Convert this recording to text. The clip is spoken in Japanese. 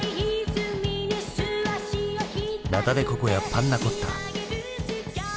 ナタ・デ・ココやパンナ・コッタ。